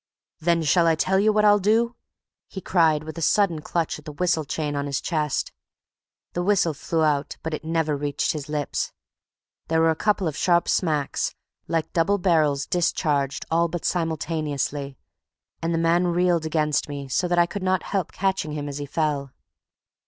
"Then shall I tell you what I'll do?" he cried, with a sudden clutch at the whistle chain on his chest. The whistle flew out, but it never reached his lips. There were a couple of sharp smacks, like double barrels discharged all but simultaneously, and the man reeled against me so that I could not help catching him as he fell.